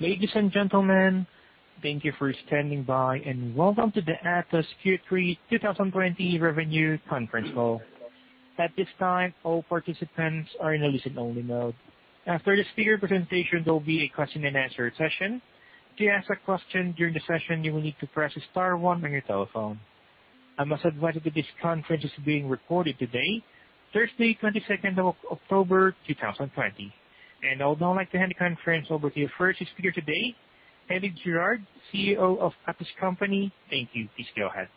Ladies and gentlemen, thank you for standing by, and welcome to the Atos Q3 2020 Revenue Conference Call. At this time, all participants are in a listen-only mode. After the speaker presentation, there will be a question and answer session. To ask a question during the session, you will need to press star one on your telephone. I must advise you that this conference is being recorded today, Thursday, 22 of October, 2020. Now I'd like to hand the conference over to your first speaker today, Elie Girard, CEO of Atos. Thank you. Please go ahead.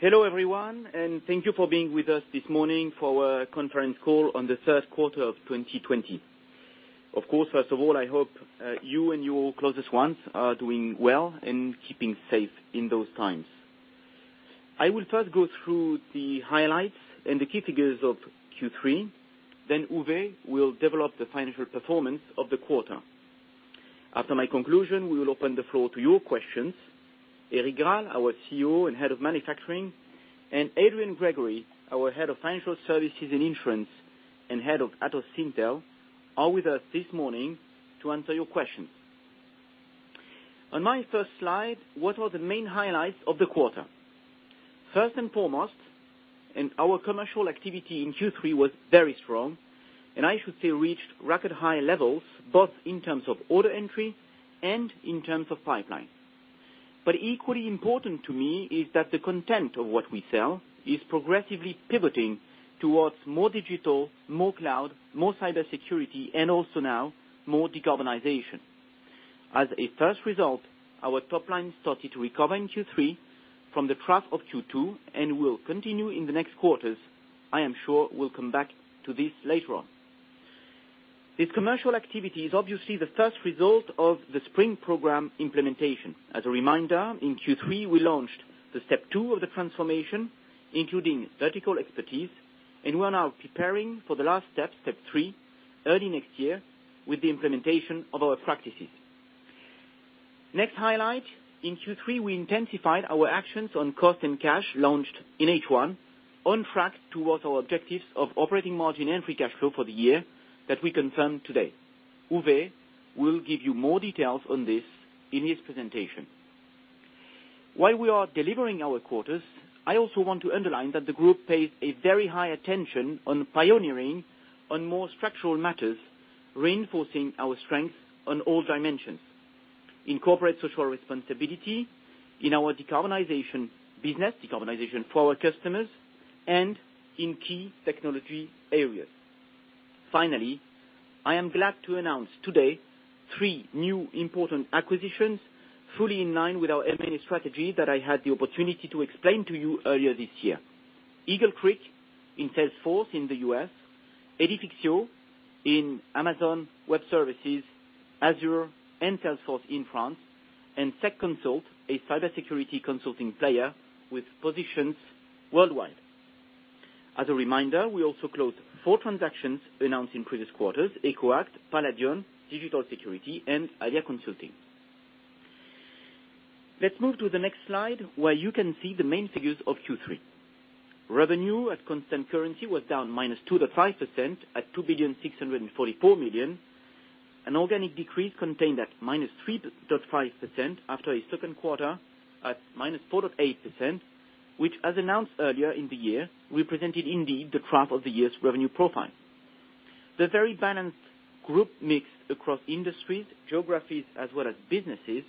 Hello, everyone, and thank you for being with us this morning for our conference call on the third quarter of 2020. Of course, first of all, I hope you and your closest ones are doing well and keeping safe in those times. I will first go through the highlights and the key figures of Q3, then Uwe will develop the financial performance of the quarter. After my conclusion, we will open the floor to your questions. Eric Grall, our COO and head of manufacturing, and Adrian Gregory, our head of financial services and insurance, and head of Atos Syntel, are with us this morning to answer your questions. On my first slide, what are the main highlights of the quarter? First and foremost, and our commercial activity in Q3 was very strong, and I should say, reached record high levels, both in terms of order entry and in terms of pipeline. But equally important to me is that the content of what we sell is progressively pivoting towards more digital, more cloud, more cybersecurity, and also now more decarbonization. As a first result, our top line started to recover in Q3 from the trough of Q2 and will continue in the next quarters. I am sure we'll come back to this later on. This commercial activity is obviously the first result of the Spring program implementation. As a reminder, in Q3, we launched the step two of the transformation, including vertical expertise, and we are now preparing for the last step, step three, early next year with the implementation of our practices. Next highlight, in Q3, we intensified our actions on cost and cash, launched in H1, on track towards our objectives of operating margin and free cash flow for the year that we confirmed today. Uwe will give you more details on this in his presentation. While we are delivering our quarters, I also want to underline that the group pays a very high attention on pioneering, on more structural matters, reinforcing our strength on all dimensions, in corporate social responsibility, in our decarbonization business, decarbonization for our customers, and in key technology areas. Finally, I am glad to announce today three new important acquisitions fully in line with our M&A strategy that I had the opportunity to explain to you earlier this year. Eagle Creek in Salesforce in the U.S., Edifixio in Amazon Web Services, Azure, and Salesforce in France, and SEC Consult, a cybersecurity consulting player with positions worldwide. As a reminder, we also closed four transactions announced in previous quarters, EcoAct, Paladion, Digital Security, and Alia Consulting. Let's move to the next slide, where you can see the main figures of Q3. Revenue at constant currency was down -2.5% at 2.644 billion. An organic decrease contained at -3.5% after a second quarter at -4.8%, which, as announced earlier in the year, represented indeed the trough of the year's revenue profile. The very balanced group mix across industries, geographies, as well as businesses,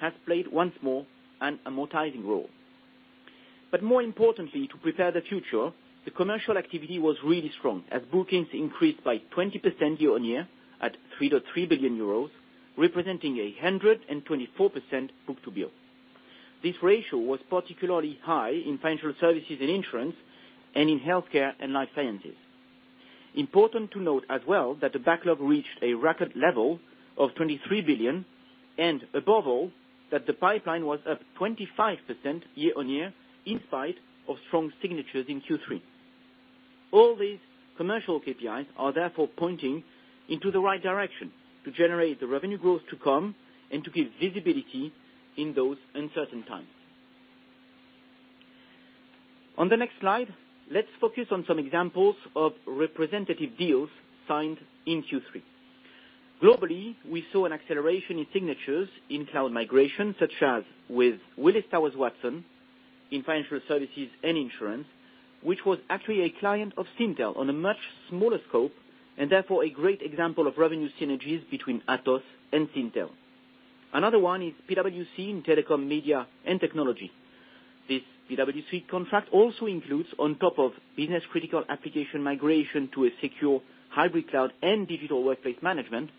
has played once more an amortizing role. But more importantly, to prepare the future, the commercial activity was really strong, as bookings increased by 20% year-on-year at 3.3 billion euros, representing a 124% book-to-bill. This ratio was particularly high in financial services and insurance, and in healthcare and life sciences. Important to note as well, that the backlog reached a record level of 23 billion, and above all, that the pipeline was up 25% year-on-year, in spite of strong signatures in Q3. All these commercial KPIs are therefore pointing into the right direction to generate the revenue growth to come and to give visibility in those uncertain times. On the next slide, let's focus on some examples of representative deals signed in Q3. Globally, we saw an acceleration in signatures in cloud migration, such as with Willis Towers Watson in financial services and insurance, which was actually a client of Syntel on a much smaller scope, and therefore a great example of revenue synergies between Atos and Syntel. Another one is PwC in Telecom, Media, and Technology. This PwC contract also includes, on top of business-critical application migration to a secure hybrid cloud and digital workplace management,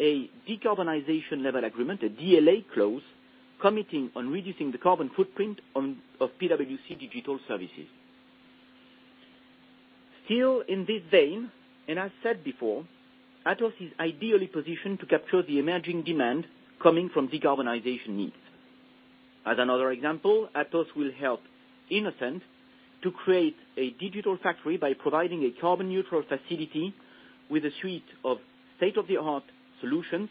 a Decarbonization Level Agreement, a DLA clause, committing to reducing the carbon footprint of PwC digital services. Still, in this vein, and I've said before, Atos is ideally positioned to capture the emerging demand coming from decarbonization needs. As another example, Atos will help Infineon to create a digital factory by providing a carbon-neutral facility with a suite of state-of-the-art solutions,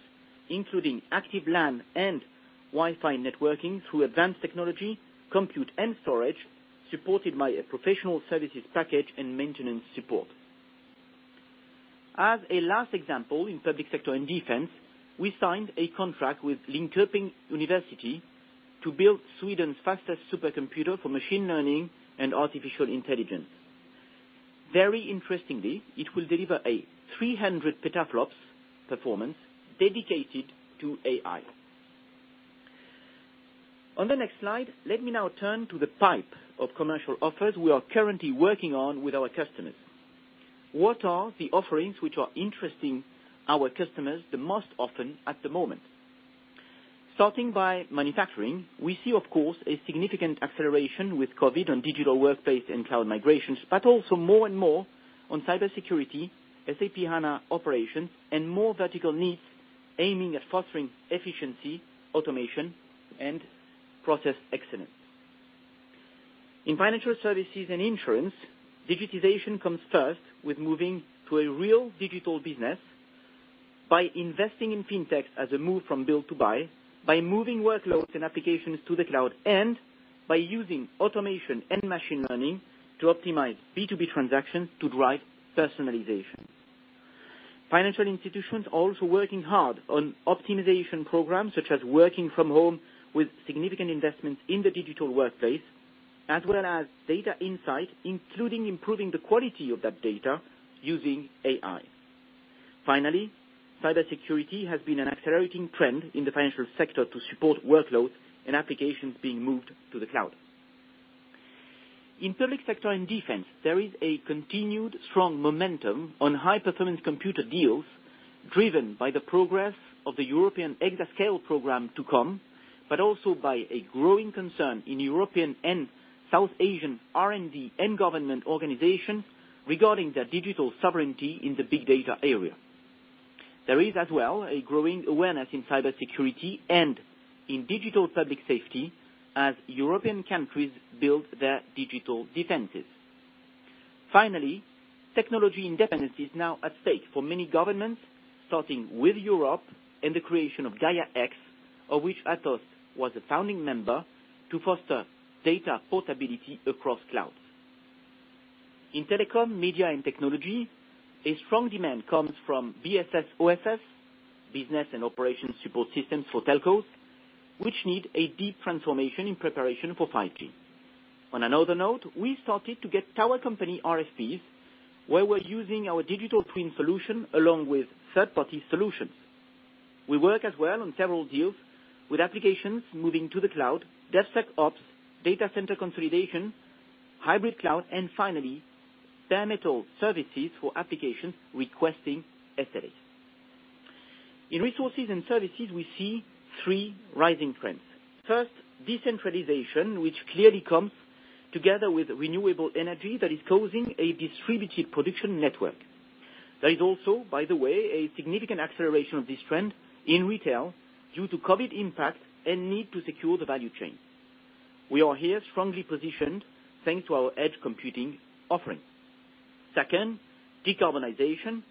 including active LAN and Wi-Fi networking through advanced technology, compute and storage supported by a professional services package and maintenance support. As a last example, in public sector and defense, we signed a contract with Linköping University to build Sweden's fastest supercomputer for machine learning and artificial intelligence. Very interestingly, it will deliver 300 petaflops performance dedicated to AI. On the next slide, let me now turn to the pipeline of commercial offers we are currently working on with our customers. What are the offerings which are interesting our customers the most often at the moment? Starting by manufacturing, we see, of course, a significant acceleration with COVID on digital workplace and cloud migrations, but also more and more on cybersecurity, SAP HANA operations, and more vertical needs aiming at fostering efficiency, automation, and process excellence. In financial services and insurance, digitization comes first with moving to a real digital business by investing in fintechs as a move from build to buy, by moving workloads and applications to the cloud, and by using automation and machine learning to optimize B2B transactions to drive personalization. Financial institutions are also working hard on optimization programs, such as working from home with significant investments in the digital workplace, as well as data insight, including improving the quality of that data using AI. Finally, cybersecurity has been an accelerating trend in the financial sector to support workloads and applications being moved to the cloud. In public sector and defense, there is a continued strong momentum on high-performance computer deals, driven by the progress of the European Exascale program to come, but also by a growing concern in European and South Asian R&D and government organizations regarding their digital sovereignty in the big data area. There is as well a growing awareness in cybersecurity and in digital public safety as European countries build their digital defenses. Finally, technology independence is now at stake for many governments, starting with Europe and the creation of Gaia-X, of which Atos was a founding member, to foster data portability across clouds. In Telecom, Media, and Technology, a strong demand comes from BSS, OSS, business and operations support systems for telcos, which need a deep transformation in preparation for 5G. On another note, we started to get tower company RFPs, where we're using our digital twin solution along with third-party solutions. We work as well on several deals with applications moving to the cloud, DevSecOps, data center consolidation, hybrid cloud, and finally, perimeter services for applications requesting SLAs. In Resources and Services, we see three rising trends. First, decentralization, which clearly comes together with renewable energy that is causing a distributed production network. There is also, by the way, a significant acceleration of this trend in retail due to COVID impact and need to secure the value chain. We are here strongly positioned thanks to our edge computing offering. Second, decarbonization.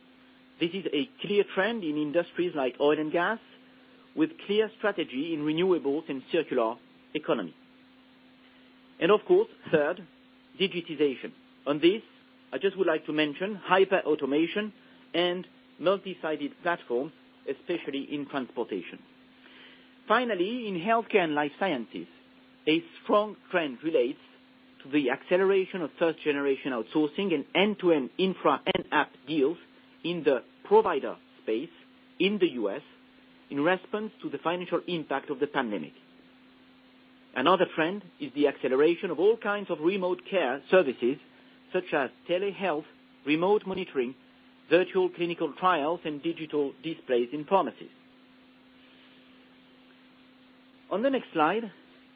This is a clear trend in industries like oil and gas, with clear strategy in renewables and circular economy. And of course, third, digitization. On this, I just would like to mention hyperautomation and multi-sided platforms, especially in transportation. Finally, in healthcare and life sciences, a strong trend relates to the acceleration of third-generation outsourcing and end-to-end infra and app deals in the provider space in the U.S. in response to the financial impact of the pandemic. Another trend is the acceleration of all kinds of remote care services, such as telehealth, remote monitoring, virtual clinical trials, and digital displays in pharmacies. On the next slide,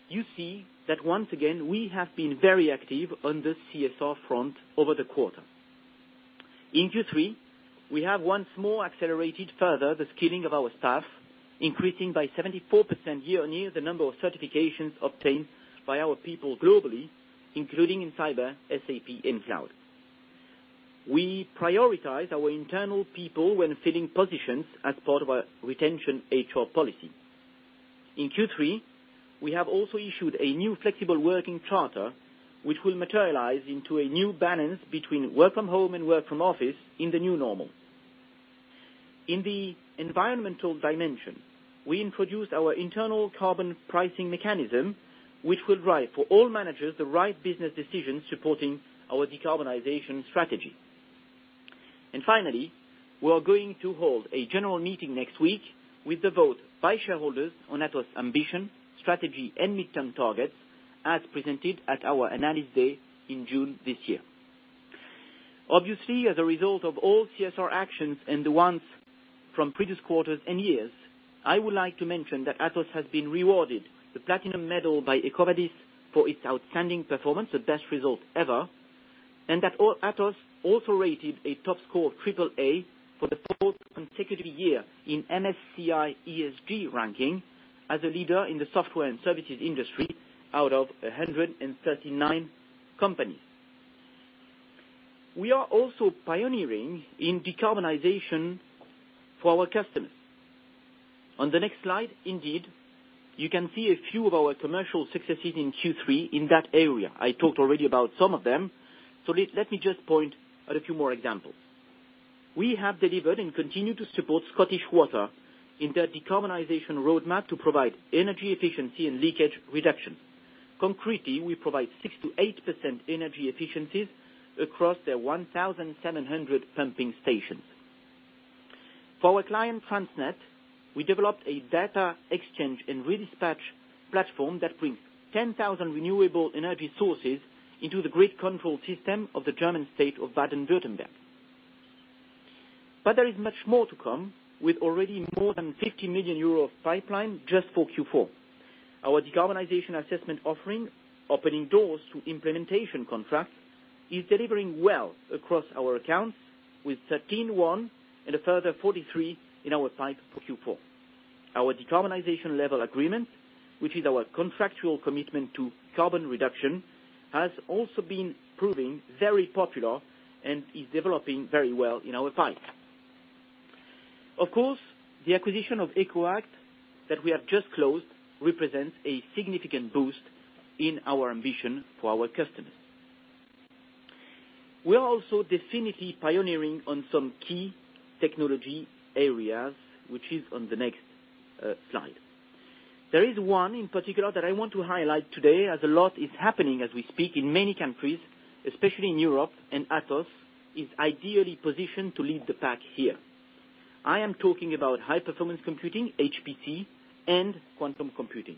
you see that once again, we have been very active on the CSR front over the quarter. In Q3, we have once more accelerated further the skilling of our staff, increasing by 74% year-on-year, the number of certifications obtained by our people globally, including in cyber, SAP, and cloud. We prioritize our internal people when filling positions as part of our retention HR policy. In Q3, we have also issued a new flexible working charter, which will materialize into a new balance between work from home and work from office in the new normal. In the environmental dimension, we introduced our internal carbon pricing mechanism, which will drive for all managers the right business decisions supporting our decarbonization strategy. Finally, we are going to hold a general meeting next week with the vote by shareholders on Atos' ambition, strategy, and midterm targets, as presented at our Analyst Day in June this year. Obviously, as a result of all CSR actions and the ones from previous quarters and years, I would like to mention that Atos has been rewarded the platinum medal by EcoVadis for its outstanding performance, the best result ever, and that Atos also rated a top score, triple A, for the fourth consecutive year in MSCI ESG ranking as a leader in the software and services industry out of a 139 companies. We are also pioneering in decarbonization for our customers. On the next slide, indeed, you can see a few of our commercial successes in Q3 in that area. I talked already about some of them, so let me just point out a few more examples. We have delivered and continue to support Scottish Water in their decarbonization roadmap to provide energy efficiency and leakage reduction. Concretely, we provide 6%-8% energy efficiencies across their 1,700 pumping stations. For our client TransnetBW, we developed a data exchange and redispatch platform that brings 10,000 renewable energy sources into the grid control system of the German state of Baden-Württemberg. But there is much more to come, with already more than 50 million euros of pipeline just for Q4. Our decarbonization assessment offering, opening doors to implementation contracts, is delivering well across our accounts, with 13 won and a further 43 in our pipe for Q4. Our decarbonization level agreement, which is our contractual commitment to carbon reduction, has also been proving very popular and is developing very well in our pipe. Of course, the acquisition of EcoAct that we have just closed represents a significant boost in our ambition for our customers. We are also definitely pioneering on some key technology areas, which is on the next slide. There is one in particular that I want to highlight today, as a lot is happening as we speak in many countries, especially in Europe, and Atos is ideally positioned to lead the pack here. I am talking about high performance computing, HPC, and quantum computing.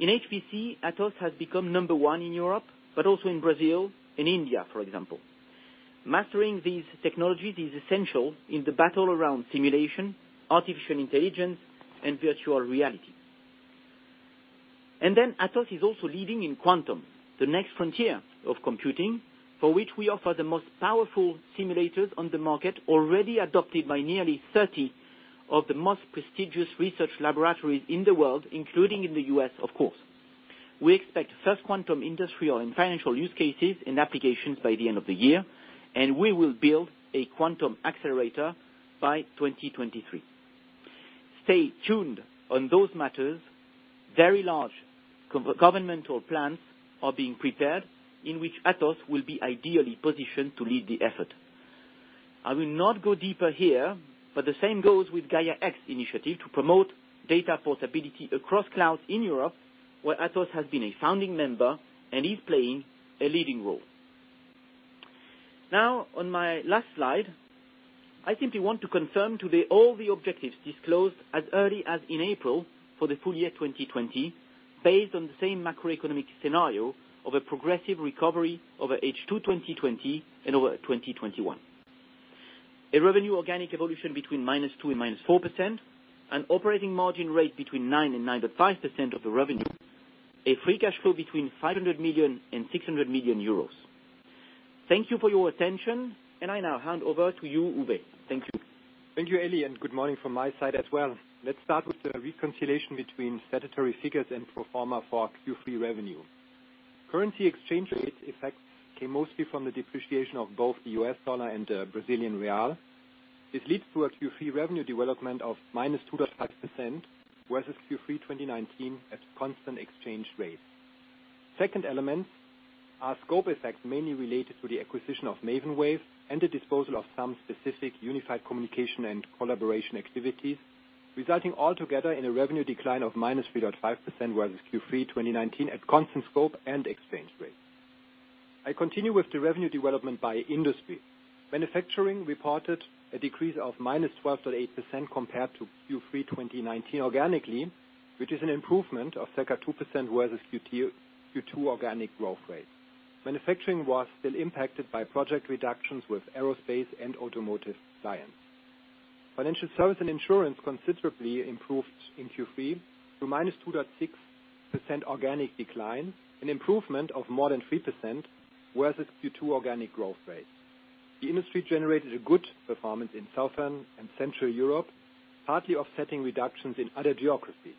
In HPC, Atos has become number one in Europe, but also in Brazil and India, for example. Mastering these technologies is essential in the battle around simulation, artificial intelligence, and virtual reality. And then Atos is also leading in quantum, the next frontier of computing, for which we offer the most powerful simulators on the market, already adopted by nearly 30 of the most prestigious research laboratories in the world, including in the U.S., of course. We expect first quantum industry or in financial use cases and applications by the end of the year, and we will build a quantum accelerator by 2023. Stay tuned on those matters. Very large governmental plans are being prepared, in which Atos will be ideally positioned to lead the effort. I will not go deeper here, but the same goes with Gaia-X initiative to promote data portability across clouds in Europe, where Atos has been a founding member and is playing a leading role. Now, on my last slide, I simply want to confirm today all the objectives disclosed as early as in April for the full year 2020, based on the same macroeconomic scenario of a progressive recovery over H2 2020 and over 2021. A revenue organic evolution between -2% and -4%, an operating margin rate between 9% and 9.5% of the revenue, a free cash flow between 500 million and 600 million euros. Thank you for your attention, and I now hand over to you, Uwe. Thank you. Thank you, Elie, and good morning from my side as well. Let's start with the reconciliation between statutory figures and pro forma for Q3 revenue. Currency exchange rate effect came mostly from the depreciation of both the U.S. dollar and the Brazilian real. This leads to a Q3 revenue development of minus 2.5%, whereas Q3 2019 at constant exchange rates. Second element, our scope effects mainly related to the acquisition of Maven Wave and the disposal of some specific Unified Communications & Collaboration activities, resulting altogether in a revenue decline of -3.5%, whereas Q3 2019 at constant scope and exchange rate. I continue with the revenue development by industry. Manufacturing reported a decrease of -12.8% compared to Q3 2019 organically, which is an improvement of circa 2% whereas Q2 organic growth rate. Manufacturing was still impacted by project reductions with aerospace and automotive clients. Financial Services and Insurance considerably improved in Q3 to -2.6% organic decline, an improvement of more than 3%, whereas the Q2 organic growth rate. The industry generated a good performance in Southern and Central Europe, partly offsetting reductions in other geographies.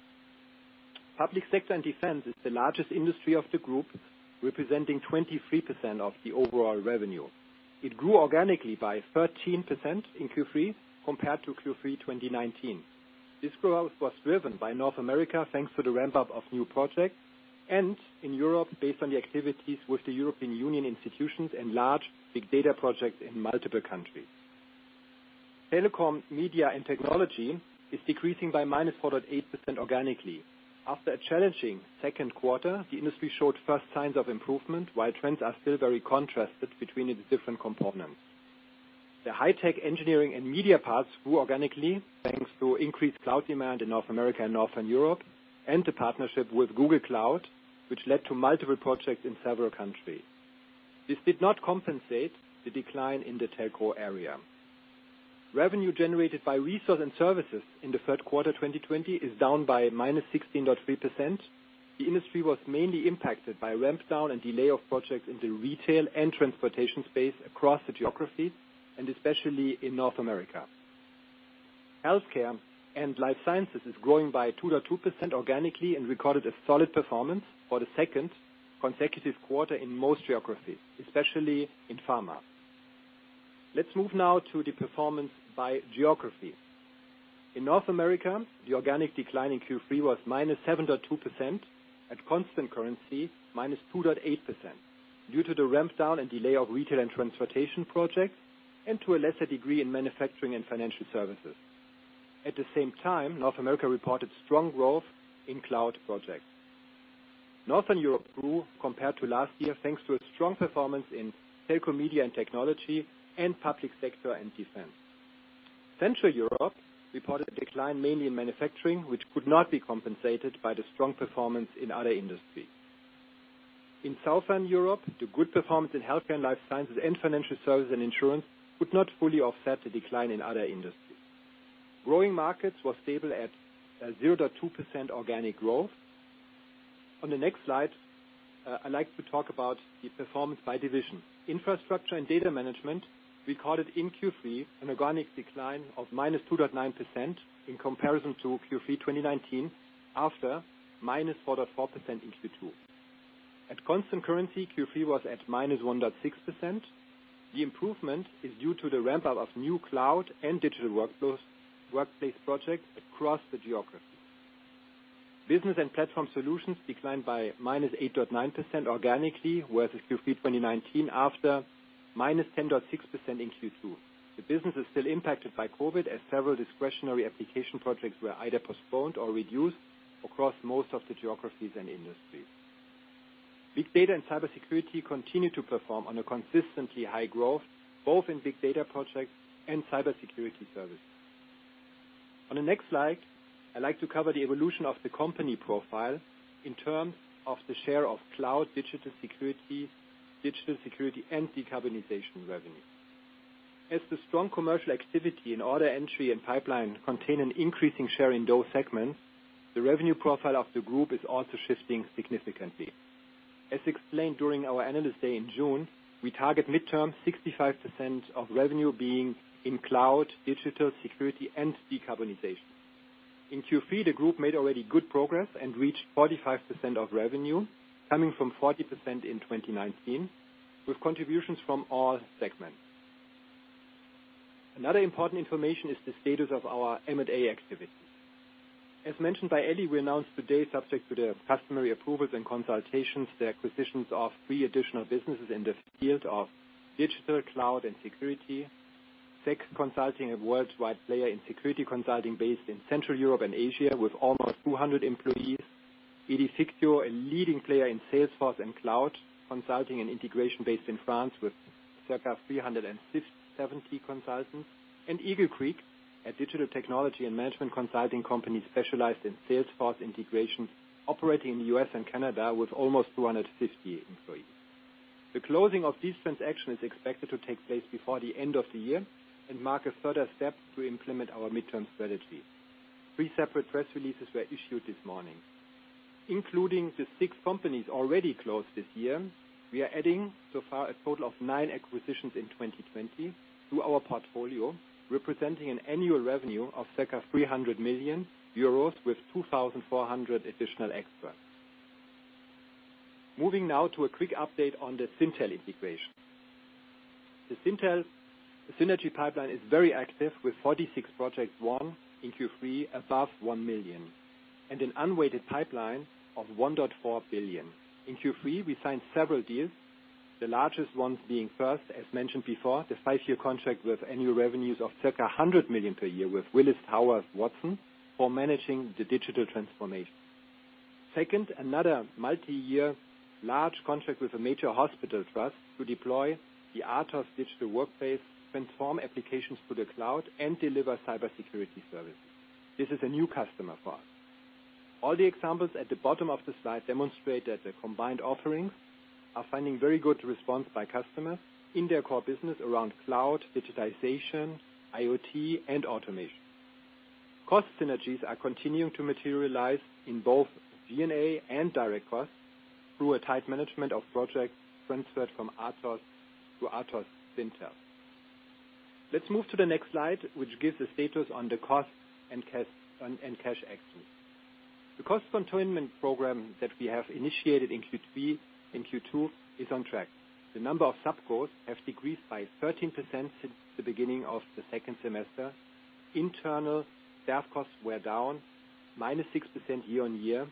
Public Sector and Defense is the largest industry of the group, representing 23% of the overall revenue. It grew organically by 13% in Q3 compared to Q3 2019. This growth was driven by North America, thanks to the ramp-up of new projects, and in Europe, based on the activities with the European Union institutions and large big data projects in multiple countries. Telecom, Media, and Technology is decreasing by -4.8% organically. After a challenging second quarter, the industry showed first signs of improvement, while trends are still very contrasted between the different components. The High Tech Engineering and Media parts grew organically, thanks to increased cloud demand in North America and Northern Europe, and the partnership with Google Cloud, which led to multiple projects in several countries. This did not compensate the decline in the telco area. Revenue generated by Resources and Services in the third quarter 2020 is down by -16.3%. The industry was mainly impacted by ramp down and delay of projects in the retail and transportation space across the geographies, and especially in North America. Healthcare and Life Sciences is growing by 2.2% organically, and recorded a solid performance for the second consecutive quarter in most geographies, especially in pharma. Let's move now to the performance by geography. In North America, the organic decline in Q3 was -7.2%, at constant currency, -2.8%, due to the ramp down and delay of retail and transportation projects, and to a lesser degree, in manufacturing and financial services. At the same time, North America reported strong growth in cloud projects. Northern Europe grew compared to last year, thanks to a strong performance in Telecom, Media, and Technology, and Public Sector and Defense. Central Europe reported a decline mainly in Manufacturing, which could not be compensated by the strong performance in other industries. In Southern Europe, the good performance in Healthcare and Life Sciences and Financial Services and insurance could not fully offset the decline in other industries. Growing Markets were stable at 0.2% organic growth. On the next slide, I'd like to talk about the performance by division. Infrastructure and Data Management recorded in Q3 an organic decline of -2.9% in comparison to Q3 2019, after -4.4% in Q2. At constant currency, Q3 was at -1.6%. The improvement is due to the ramp up of new cloud and digital workflows, workplace projects across the geographies. Business and Platform Solutions declined by -8.9% organically, whereas in Q3 2019 after -10.6% in Q2. The business is still impacted by COVID, as several discretionary application projects were either postponed or reduced across most of the geographies and industries. Big Data and Cybersecurity continue to perform on a consistently high growth, both in Big Data projects and Cybersecurity services. On the next slide, I'd like to cover the evolution of the company profile in terms of the share of cloud, digital security, and decarbonization revenue. As the strong commercial activity in order entry and pipeline contain an increasing share in those segments, the revenue profile of the group is also shifting significantly. As explained during our analyst day in June, we target midterm 65% of revenue being in cloud, digital security, and decarbonization. In Q3, the group made already good progress and reached 45% of revenue, coming from 40% in 2019, with contributions from all segments. Another important information is the status of our M&A activities. As mentioned by Elie, we announced today, subject to the customary approvals and consultations, the acquisitions of three additional businesses in the field of digital, cloud, and security. SEC Consult, a worldwide player in security consulting based in Central Europe and Asia, with almost 200 employees. Edifixio, a leading player in Salesforce and cloud consulting and integration based in France, with circa 367 consultants. And Eagle Creek, a digital technology and management consulting company specialized in Salesforce integration, operating in the U.S. and Canada with almost 250 employees. The closing of this transaction is expected to take place before the end of the year and mark a further step to implement our midterm strategy. Three separate press releases were issued this morning. Including the six companies already closed this year, we are adding so far a total of nine acquisitions in 2020 to our portfolio, representing an annual revenue of circa 300 million euros with 2,400 additional experts. Moving now to a quick update on the Syntel integration. The Syntel synergy pipeline is very active, with 46 projects won in Q3 above 1 million, and an unweighted pipeline of 1.4 billion. In Q3, we signed several deals, the largest ones being first, as mentioned before, the five-year contract with annual revenues of circa 100 million per year with Willis Towers Watson for managing the digital transformation. Second, another multi-year large contract with a major hospital trust to deploy the Atos Digital Workplace, transform applications to the cloud, and deliver cybersecurity services. This is a new customer for us. All the examples at the bottom of the slide demonstrate that the combined offerings are finding very good response by customers in their core business around cloud, digitization, IoT, and automation. Cost synergies are continuing to materialize in both G&A and direct costs through a tight management of projects transferred from Atos to Atos Syntel. Let's move to the next slide, which gives the status on the cost and cash actions. The cost containment program that we have initiated in Q2 is on track. The number of sub goals have decreased by 13% since the beginning of the second semester. Internal staff costs were down -6% year on year.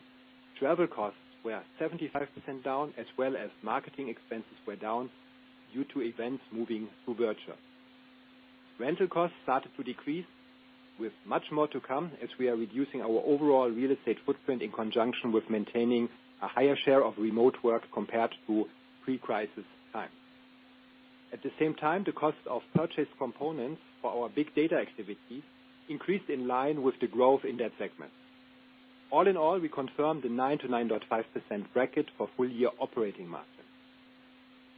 Travel costs were 75% down, as well as marketing expenses were down due to events moving to virtual. Rental costs started to decrease, with much more to come, as we are reducing our overall real estate footprint in conjunction with maintaining a higher share of remote work compared to pre-crisis time. At the same time, the cost of purchased components for our big data activities increased in line with the growth in that segment. All in all, we confirm the 9% to 9.5% bracket for full year operating margin.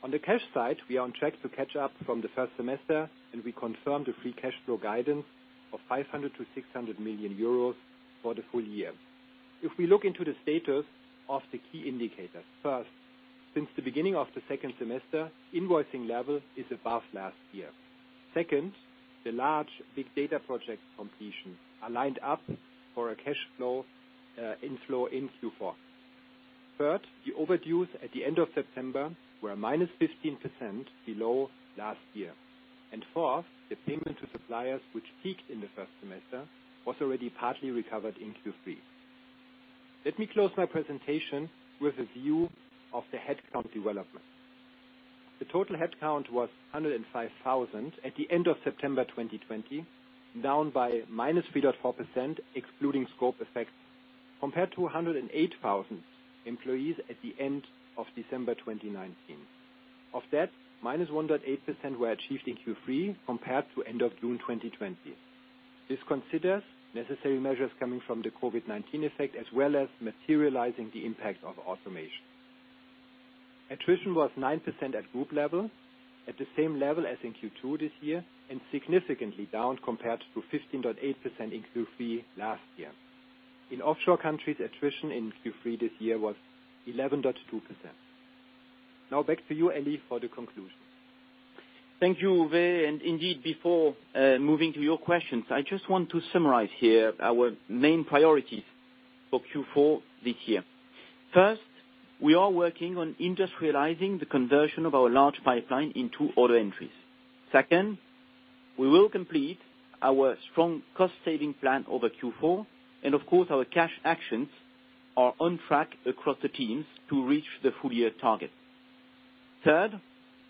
On the cash side, we are on track to catch up from the first semester, and we confirm the free cash flow guidance of 500 million-600 million euros for the full year. If we look into the status of the key indicators, since the beginning of the second semester, invoicing level is above last year. Second, the large big data project completion are lined up for a cash flow inflow in Q4. Third, the overdues at the end of September were -15% below last year. Fourth, the payment to suppliers, which peaked in the first semester, was already partly recovered in Q3. Let me close my presentation with a view of the headcount development. The total headcount was 105,000 at the end of September 2020, down by -3.4%, excluding scope effects, compared to 108,000 employees at the end of December 2019. Of that, -1.8% were achieved in Q3, compared to end of June 2020. This considers necessary measures coming from the COVID-19 effect, as well as materializing the impact of automation. Attrition was 9% at group level, at the same level as in Q2 this year, and significantly down compared to 15.8% in Q3 last year. In offshore countries, attrition in Q3 this year was 11.2%. Now back to you, Elie, for the conclusion. Thank you, Uwe, and indeed, before moving to your questions, I just want to summarize here our main priorities for Q4 this year. First, we are working on industrializing the conversion of our large pipeline into order entries. Second, we will complete our strong cost saving plan over Q4, and of course, our cash actions are on track across the teams to reach the full year target. Third,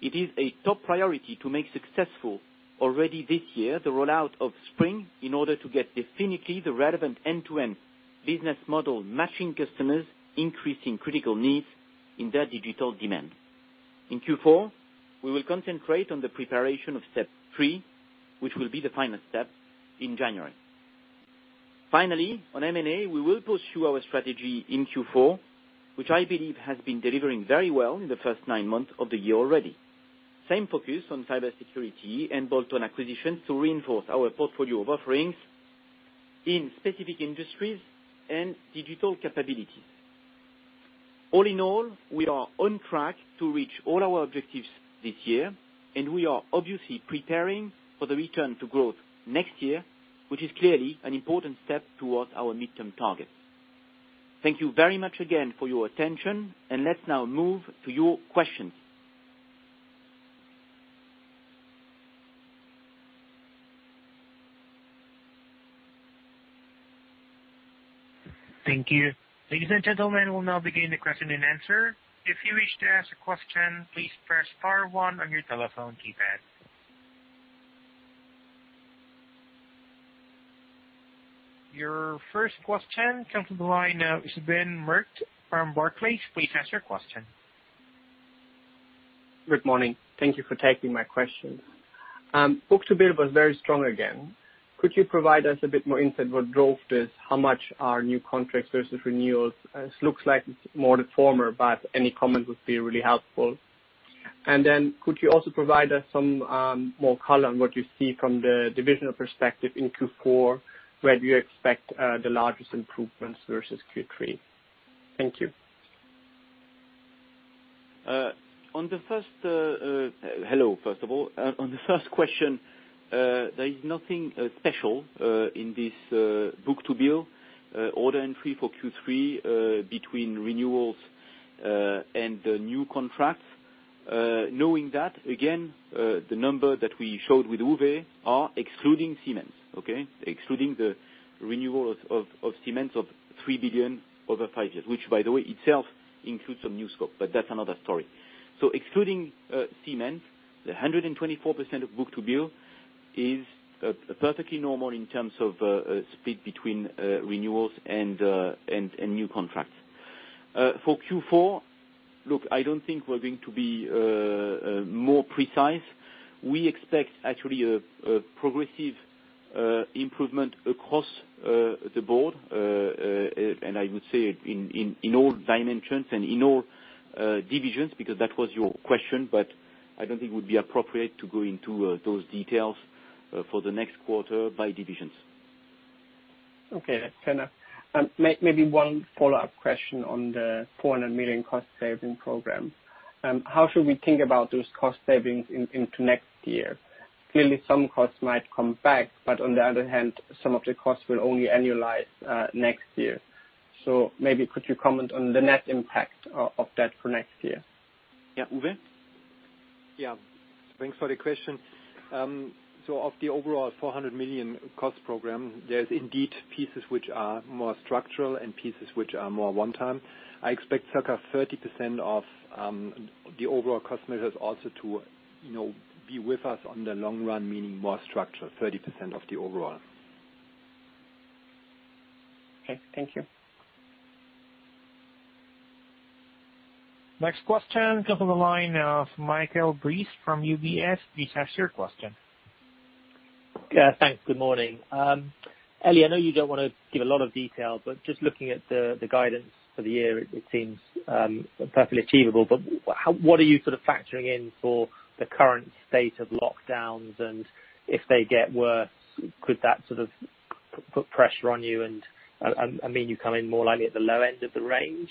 it is a top priority to make successful, already this year, the rollout of Spring, in order to get definitively the relevant end-to-end business model, matching customers' increasing critical needs in their digital demand. In Q4, we will concentrate on the preparation of step three, which will be the final step in January. Finally, on M&A, we will pursue our strategy in Q4, which I believe has been delivering very well in the first nine months of the year already. Same focus on cybersecurity and bolt-on acquisitions to reinforce our portfolio of offerings in specific industries and digital capabilities. All in all, we are on track to reach all our objectives this year, and we are obviously preparing for the return to growth next year, which is clearly an important step towards our midterm targets. Thank you very much again for your attention, and let's now move to your questions. Thank you. Ladies and gentlemen, we'll now begin the question and answer. If you wish to ask a question, please press star one on your telephone keypad. Your first question comes on the line is Sven Merkt from Barclays. Please ask your question. Good morning. Thank you for taking my question. Book-to-bill was very strong again. Could you provide us a bit more insight what drove this? How much are new contracts versus renewals? It looks like it's more the former, but any comment would be really helpful. And then could you also provide us some more color on what you see from the divisional perspective in Q4? Where do you expect the largest improvements versus Q3? Thank you. On the first question, there is nothing special in this book-to-bill order entry for Q3 between renewals and the new contracts. Knowing that, again, the number that we showed with Uwe are excluding Syntel, okay? Excluding the renewals of Syntel of 3 billion over five years, which, by the way, itself includes some new scope, but that's another story. Excluding Syntel, the 124% book-to-bill is perfectly normal in terms of split between renewals and new contracts. For Q4, look, I don't think we're going to be more precise. We expect actually a progressive improvement across the board, and I would say in all dimensions and in all divisions, because that was your question. But I don't think it would be appropriate to go into those details for the next quarter by divisions. Okay, that's fair enough. Maybe one follow-up question on the 400 million cost-saving program. How should we think about those cost savings into next year? Clearly, some costs might come back, but on the other hand, some of the costs will only annualize next year. So maybe could you comment on the net impact of that for next year? Yeah. Uwe? Yeah. Thanks for the question. So of the overall 400 million cost program, there's indeed pieces which are more structural and pieces which are more one-time. I expect circa 30% of the overall cost measures also to, you know, be with us on the long run, meaning more structural, 30% of the overall. Okay, thank you. Next question comes on the line of Michael Briest from UBS. Please ask your question. Thanks. Good morning. Elie, I know you don't wanna give a lot of detail, but just looking at the guidance for the year, it seems perfectly achievable. But how, what are you sort of factoring in for the current state of lockdowns? And if they get worse, could that put pressure on you, and I mean, you come in more likely at the low end of the range.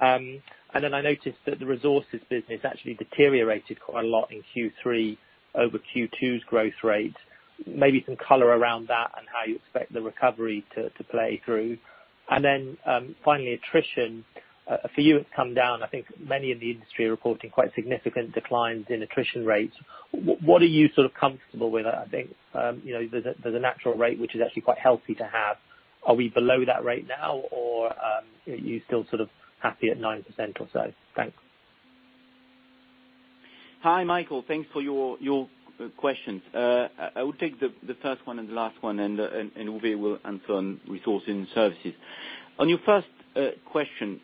And then I noticed that the Resources business actually deteriorated quite a lot in Q3 over Q2's growth rate. Maybe some color around that, and how you expect the recovery to play through? And then, finally, attrition for you, it's come down. I think many in the industry are reporting quite significant declines in attrition rates. What are you sort of comfortable with? I think, you know, there's a natural rate which is actually quite healthy to have. Are we below that rate now, or, are you still sort of happy at 9% or so? Thanks. Hi, Michael, thanks for your questions. I will take the first one and the last one, and Uwe will answer on resourcing services. On your first question,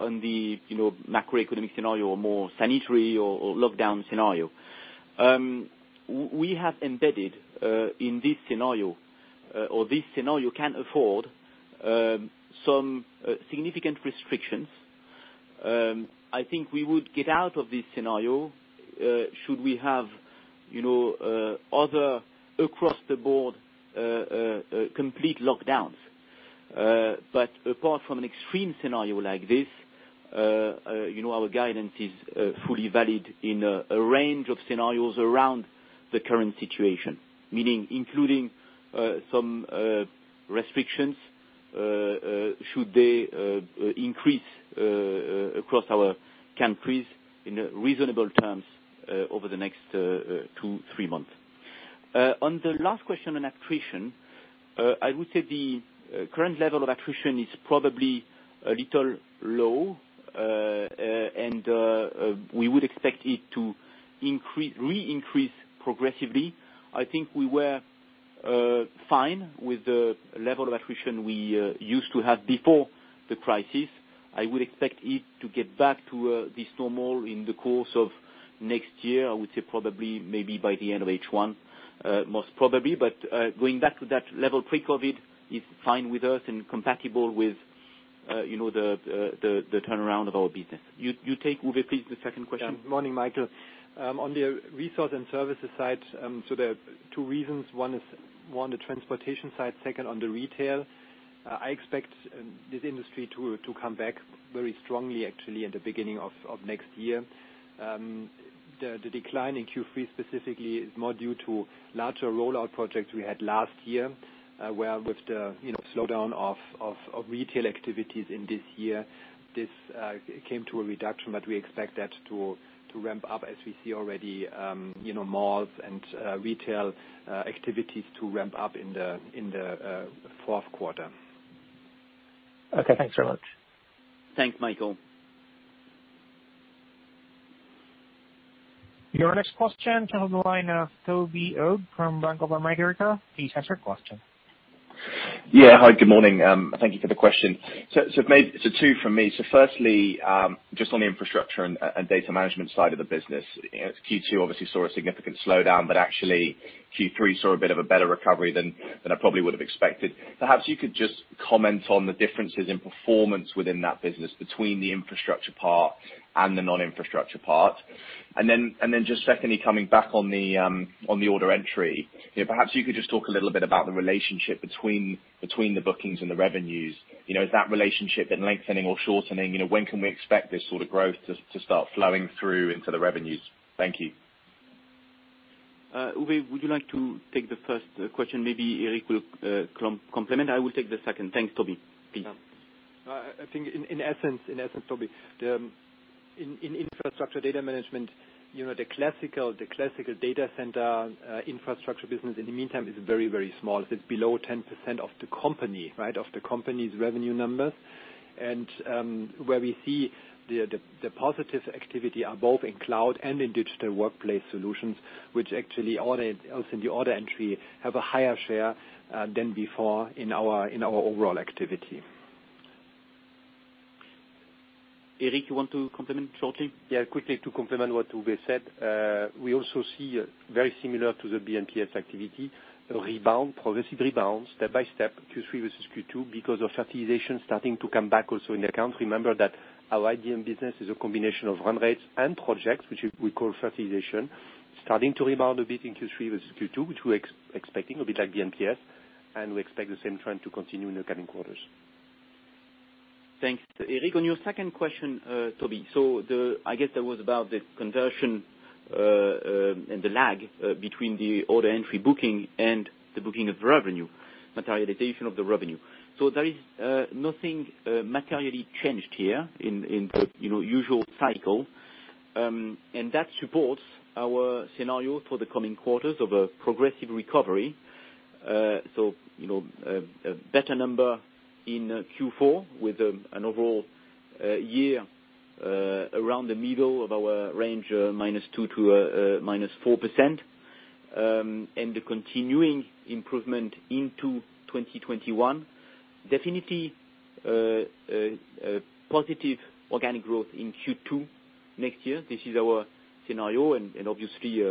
on the, you know, macroeconomic scenario or more sanitary or lockdown scenario, we have embedded in this scenario, or this scenario can afford some significant restrictions. I think we would get out of this scenario should we have, you know, other across-the-board complete lockdowns. But apart from an extreme scenario like this, you know, our guidance is fully valid in a range of scenarios around the current situation, meaning including some restrictions should they increase across our countries in reasonable terms over the next two, three months. On the last question on attrition, I would say the current level of attrition is probably a little low. And we would expect it to re-increase progressively. I think we were fine with the level of attrition we used to have before the crisis. I would expect it to get back to this normal in the course of next year. I would say probably maybe by the end of H1, most probably, but, going back to that level pre-COVID is fine with us and compatible with, you know, the turnaround of our business. You take, Uwe, please, the second question. Yeah. Morning, Michael. On the Resource and Services side, so there are two reasons. One is the transportation side, second on the retail. I expect this industry to come back very strongly, actually, in the beginning of next year. The decline in Q3 specifically is more due to larger rollout projects we had last year, where with the, you know, slowdown of retail activities in this year, this came to a reduction. But we expect that to ramp up as we see already, you know, malls and retail activities to ramp up in the fourth quarter. Okay, thanks very much. Thanks, Michael. Your next question comes on the line of Toby Ogg from Bank of America. Please ask your question. Yeah. Hi, good morning. Thank you for the question. So two from me. So firstly, just on the infrastructure and data management side of the business, you know, Q2 obviously saw a significant slowdown, but actually, Q3 saw a bit of a better recovery than I probably would have expected. Perhaps you could just comment on the differences in performance within that business, between the infrastructure part and the non-infrastructure part. And then just secondly, coming back on the order entry, you know, perhaps you could just talk a little bit about the relationship between the bookings and the revenues. You know, is that relationship in lengthening or shortening? You know, when can we expect this sort of growth to start flowing through into the revenues? Thank you. Uwe, would you like to take the first question? Maybe Eric will complement. I will take the second. Thanks, Toby. Please. I think in essence, Toby, in infrastructure data management, you know, the classical data center infrastructure business in the meantime is very, very small. It's below 10% of the company, right? Of the company's revenue numbers. And where we see the positive activity are both in cloud and in digital workplace solutions, which actually order also in the order entry have a higher share than before in our overall activity. Eric, you want to comment shortly? Yeah, quickly to complement what Uwe said. We also see, very similar to the B&PS activity, a rebound, progressive rebound step by step, Q3 versus Q2, because of utilization starting to come back also in the account. Remember that our IDM business is a combination of run rates and projects, which we call utilization, starting to rebound a bit in Q3 versus Q2, which we expecting, a bit like B&PS, and we expect the same trend to continue in the coming quarters. Thanks, Eric. On your second question, Toby, so I guess that was about the conversion and the lag between the order entry booking and the booking of revenue, materialization of the revenue. So there is nothing materially changed here in the you know usual cycle. And that supports our scenario for the coming quarters of a progressive recovery. So you know a better number in Q4 with an overall year around the middle of our range -2% to -4%. And the continuing improvement into 2021. Definitely a positive organic growth in Q2 next year. This is our scenario and obviously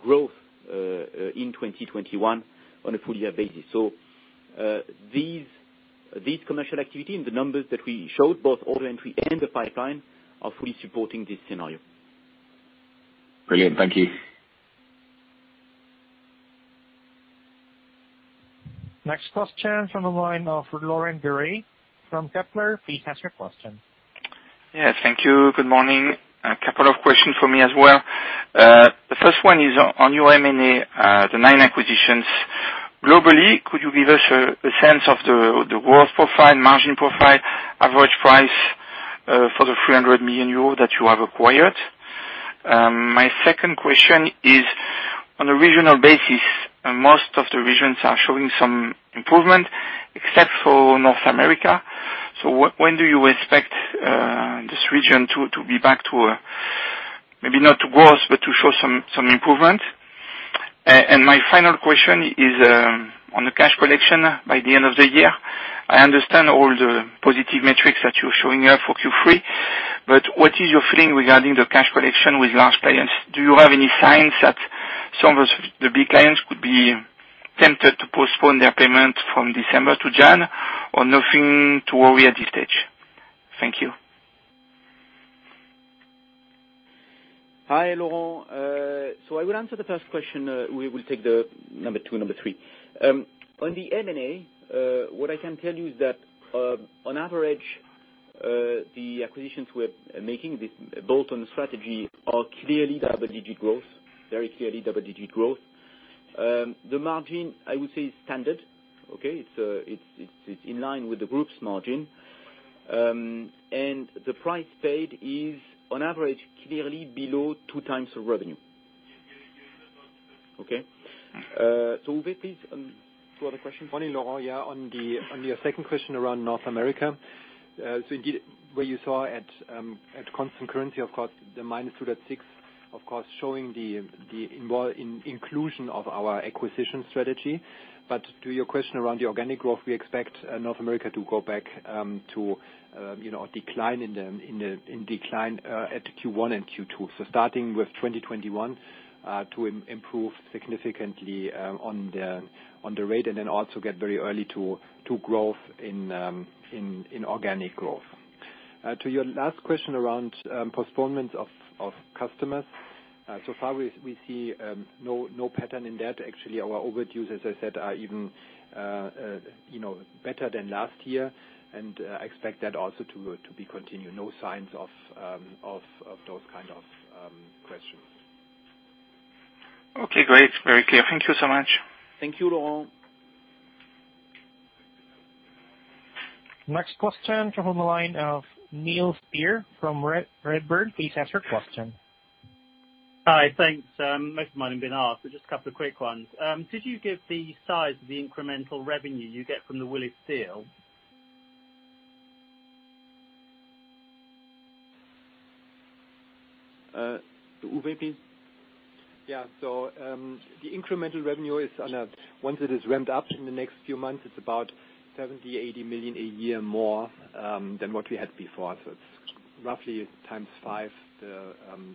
growth in 2021 on a full-year basis. These commercial activity and the numbers that we showed, both order entry and the pipeline, are fully supporting this scenario. Brilliant. Thank you. Next question from the line of Laurent Daure from Kepler. Please ask your question. Yes, thank you. Good morning. A couple of questions for me as well. The first one is on your M&A, the nine acquisitions. Globally, could you give us a sense of the growth profile, margin profile, average price for the 300 million euro that you have acquired? My second question is on a regional basis, and most of the regions are showing some improvement except for North America. So when do you expect this region to be back to, maybe not to growth, but to show some improvement? And my final question is on the cash collection by the end of the year. I understand all the positive metrics that you're showing here for Q3, but what is your feeling regarding the cash collection with large clients? Do you have any signs that some of the big clients could be tempted to postpone their payment from December to January, or nothing to worry at this stage? Thank you. Hi, Laurent. So I will answer the first question. We will take the number two and number three. On the M&A, what I can tell you is that, on average, the acquisitions we're making, these built on the strategy, are clearly double-digit growth, very clearly double-digit growth. The margin, I would say, is standard. Okay? It's in line with the group's margin. And the price paid is, on average, clearly below two times the revenue. Okay? So Uwe, please, two other questions. Morning, Laurent. Yeah, on the, on your second question around North America. So indeed, where you saw at, at constant currency, of course, the -2.6%, of course, showing the inclusion of our acquisition strategy. But to your question around the organic growth, we expect, North America to go back, to, you know, a decline in the decline at Q1 and Q2. So starting with 2021, to improve significantly, on the rate, and then also get very early to growth in organic growth. To your last question around, postponement of customers, so far we see no pattern in that. Actually, our overdues, as I said, are even, you know, better than last year, and I expect that also to be continued. No signs of those kind of questions. Okay, great. Very clear. Thank you so much. Thank you, Laurent. Next question come on the line of Neil Steer from Redburn. Please ask your question. Hi, thanks. Most of mine have been asked, but just a couple of quick ones. Could you give the size of the incremental revenue you get from the Willis deal? Uwe, please. So, the incremental revenue is once it is ramped up in the next few months, it's about 70 million-80 million a year more than what we had before. So it's roughly times five the,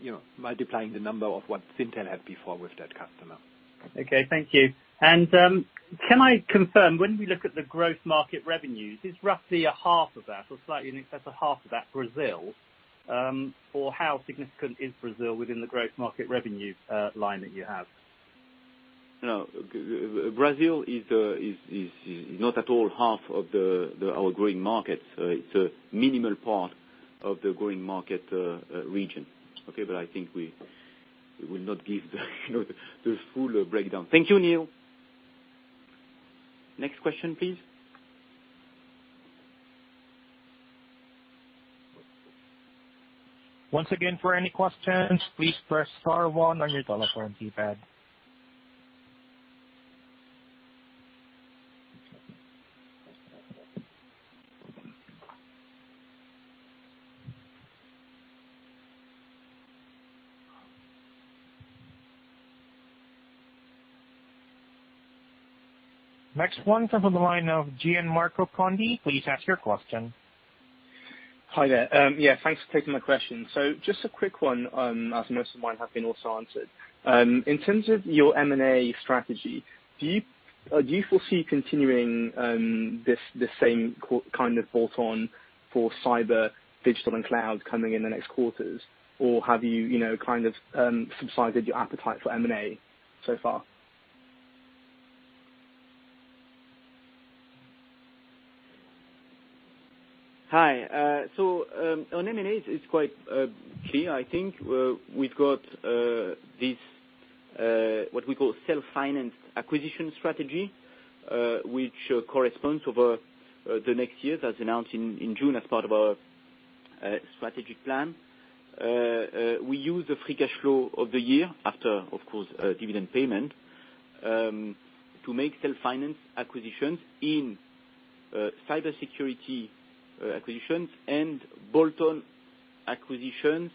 you know, multiplying the number of what Syntel had before with that customer. Okay. Thank you. And, can I confirm, when we look at the growth market revenues, is roughly a half of that, or slightly in excess of half of that, Brazil? Or how significant is Brazil within the growth market revenue, line that you have? No, Brazil is not at all half of our Growing Markets. It's a minimal part of the Growing Markets region. Okay? But I think we will not give the, you know, the fuller breakdown. Thank you, Neil. Next question, please. Once again, for any questions, please press star one on your telephone keypad. Next one comes on the line of Gianmarco Conti. Please ask your question. Hi there. Yeah, thanks for taking my question. So just a quick one, as most of mine have been also answered. In terms of your M&A strategy, do you foresee continuing this, the same kind of bolt-on for cyber, digital, and cloud coming in the next quarters? Or have you, you know, kind of, subsided your appetite for M&A so far? Hi. So, on M&A, it's quite clear. I think, we've got this what we call self-finance acquisition strategy, which corresponds over the next year, as announced in June, as part of our strategic plan. We use the free cash flow of the year, after, of course, a dividend payment, to make self-finance acquisitions in cybersecurity acquisitions, and bolt-on acquisitions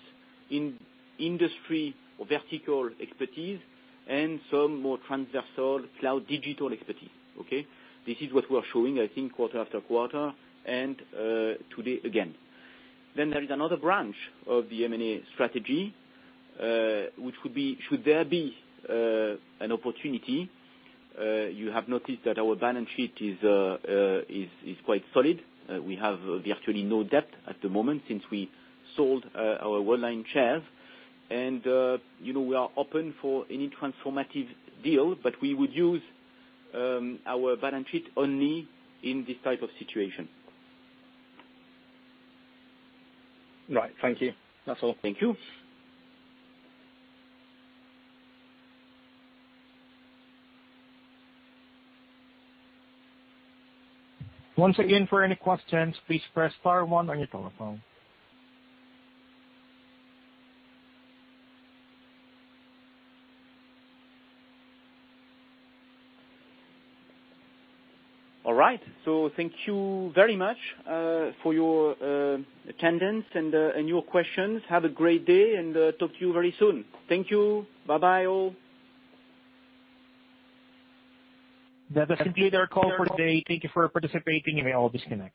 in industry or vertical expertise, and some more transversal cloud digital expertise. Okay? This is what we are showing, I think, quarter after quarter, and today again. Then there is another branch of the M&A strategy, which would be, should there be an opportunity, you have noticed that our balance sheet is quite solid. We have virtually no debt at the moment since we sold our Worldline shares. You know, we are open for any transformative deal, but we would use our balance sheet only in this type of situation. Right. Thank you. That's all. Thank you. Once again, for any questions, please press star one on your telephone. All right. So thank you very much for your attendance and your questions. Have a great day, and talk to you very soon. Thank you. Bye-bye, all. That concludes our call for today. Thank you for participating, you may all disconnect.